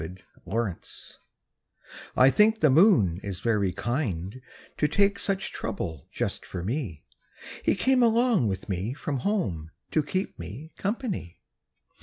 II The Kind Moon I think the moon is very kind To take such trouble just for me. He came along with me from home To keep me company.